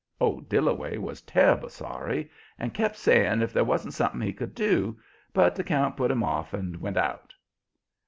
Old Dillaway was terrible sorry and kept asking if there wan't something he could do, but the count put him off and went out.